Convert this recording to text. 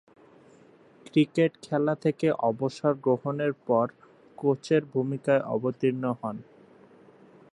Cricket খেলা থেকে অবসর গ্রহণের পর কোচের ভূমিকায় অবতীর্ণ হন।